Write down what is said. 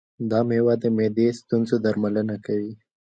دا مېوه د معدې د ستونزو درملنه کوي.